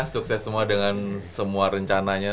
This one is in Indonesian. sukses semua dengan semua rencananya